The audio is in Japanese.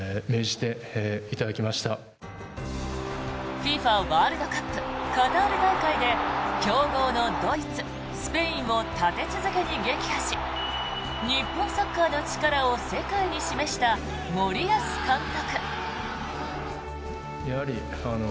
ＦＩＦＡワールドカップカタール大会で強豪のドイツ、スペインを立て続けに撃破し日本サッカーの力を世界に示した森保監督。